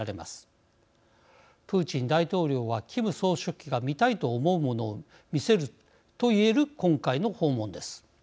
プーチン大統領はキム総書記が見たいと思うものを見せると言える今回の訪問です。